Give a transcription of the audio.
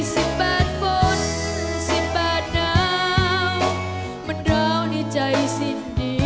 สิบแปดบนสิบแปดหนาวมันราวในใจสิ้นนี้